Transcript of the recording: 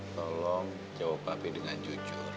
tolong jawab tapi dengan jujur